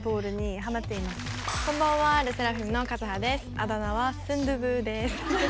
あだ名はスンドゥブです。